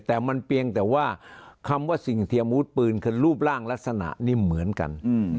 แต่มันเพียงแต่ว่าคำว่าสิ่งเทียมอาวุธปืนคือรูปร่างลักษณะนี่เหมือนกัน